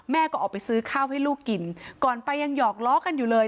ก็ออกไปซื้อข้าวให้ลูกกินก่อนไปยังหอกล้อกันอยู่เลย